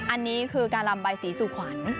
อันนี้คือการลำใบสีสู่ขวัญ